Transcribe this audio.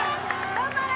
頑張れ！